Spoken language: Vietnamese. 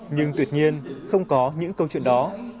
nhưng tuyệt nhiên không có những câu chuyện đó